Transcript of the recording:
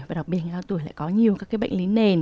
và đặc biệt là cao tuổi lại có nhiều các cái bệnh lý nền